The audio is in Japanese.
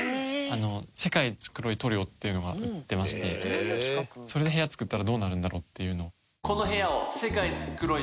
世界一黒い塗料っていうのが売ってましてそれで部屋作ったらどうなるんだろうっていうのを。